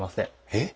えっ？